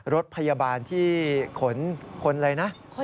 รถพยาบาลที่ขนคนอะไรนะ